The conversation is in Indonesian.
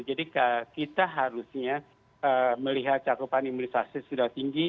jadi kita harusnya melihat cakupan imunisasi sudah tinggi